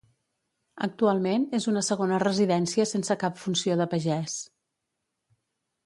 Actualment és una segona residència sense cap funció de pagès.